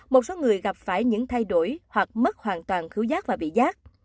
một số người gặp phải những thay đổi hoặc mất hoàn toàn thiếu giác và bị giác